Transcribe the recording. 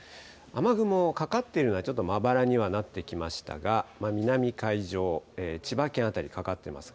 雨雲かかっているのはちょっとまばらにはなってきましたが、南海上、千葉県辺りにかかっています。